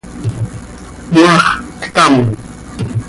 ¿Cmaax tcam?